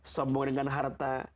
sombong dengan harta